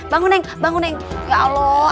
bangun bangun ya allah